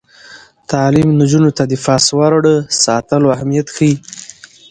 تعلیم نجونو ته د پاسورډ ساتلو اهمیت ښيي.